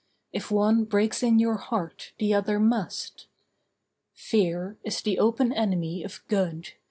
If one breaks in your heart the other must. Fear is the open enemy of Good.